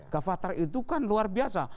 gavatar itu kan luar biasa